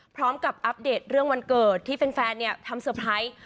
พร้อมกับอัปเดตเรื่องวันเกิดที่แฟนเนี่ยทำเซอร์ไพรส์